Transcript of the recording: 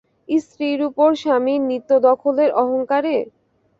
স্ত্রীর উপর স্বামীর নিত্য-দখলের অহংকারে?